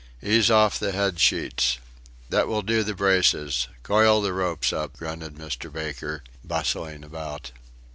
" "Ease off the head sheets. That will do the braces. Coil the ropes up," grunted Mr. Baker, bustling about.